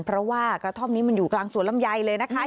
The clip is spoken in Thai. เพราะว่ากระท่อมนี้มันอยู่กลางสวนลำไยเลยนะคะ